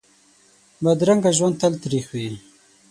بدرنګه ژوند تل تریخ وي